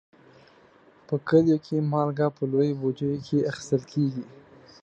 په کلیو کې مالګه په لویو بوجیو کې اخیستل کېږي.